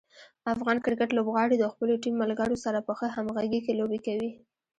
افغان کرکټ لوبغاړي د خپلو ټیم ملګرو سره په ښه همغږي کې لوبې کوي.